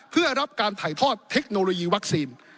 เพื่อรับการถ่ายทอดเทคโนโลยีวัคซีน